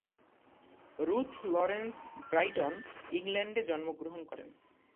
Ruth Lawrence Brighton, ইংল্যান্ডে জন্মগ্রহণ করেন।